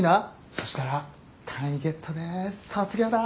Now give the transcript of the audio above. そしたら単位ゲットで卒業だ。